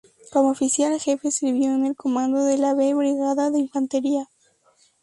Como oficial jefe sirvió en el Comando de la V Brigada de Infantería.